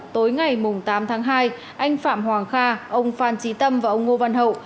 tối ngày tám tháng hai anh phạm hoàng kha ông phan trí tâm và ông ngô văn hậu